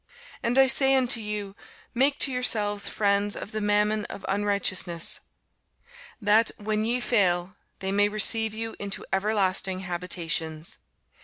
And I say unto you, Make to yourselves friends of the mammon of unrighteousness; that, when ye fail, they may receive you into everlasting habitations.